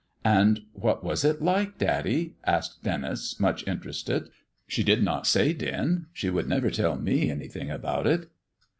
"And what was it like, daddy?" asked Denis, much interested. "She did not say, Den. She would never tell me anything about it."